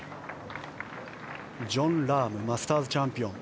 ジョン・ラームマスターズチャンピオン。